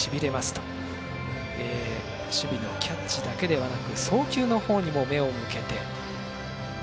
と守備のキャッチだけでなく送球のほうにも目を向けて。